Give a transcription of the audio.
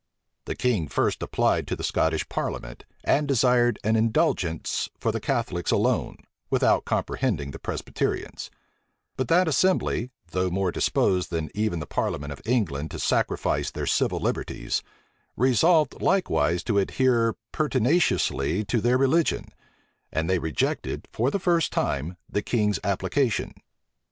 The king first applied to the Scottish parliament, and desired an indulgence for the Catholics alone, without comprehending the Presbyterians: but that assembly, though more disposed than even the parliament of England to sacrifice their civil liberties, resolved likewise to adhere pertinaciously to their religion; and they rejected, for the first time, the king's application.